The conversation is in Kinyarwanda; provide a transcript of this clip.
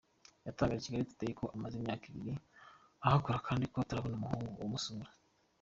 Yatangarije Kigali Today ko amaze imyaka ibiri ahakora kandi ko atarabona umuhungu umusura.